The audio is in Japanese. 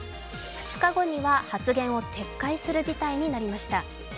２日後には発言を撤回する事態になりました。